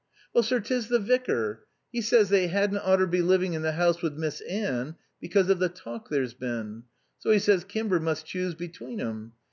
"Well, sir, 'tis the vicar. 'E says they 'adn't oughter be livin' in the house with Miss Anne, because of the talk there's been. So 'e says Kimber must choose between 'em.